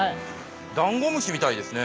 ダンゴムシみたいですね。